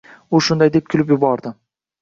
— U shunday deb kulib yubordi.